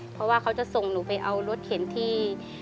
เพราะว่าเขาจะส่งหนูไปเอารถเข็นที่